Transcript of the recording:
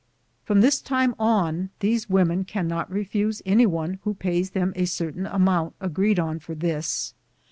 From this time on these women can not refuse anyone who pays them a certain amount agreed on for this.